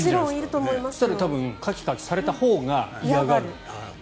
そうしたら多分カキカキされたほうが嫌がる。